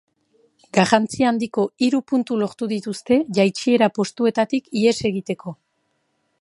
Garrantzi handiko hiru puntu lortu dituzte, jaitsiera postuetatik ihes egiteko.